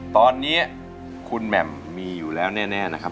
ตอนนี้คุณแหม่มมีอยู่แล้วแน่นะครับ